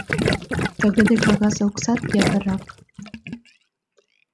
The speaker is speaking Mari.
Тыгыде кагаз оксат ятырак.